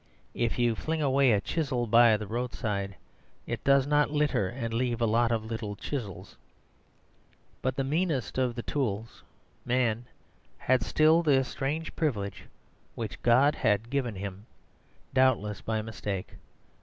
If you fling away a chisel by the roadside, it does not litter and leave a lot of little chisels. But the meanest of the tools, Man, had still this strange privilege which God had given him, doubtless by mistake.